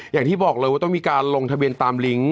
อย่างที่บอกเลยว่าต้องมีการลงทะเบียนตามลิงก์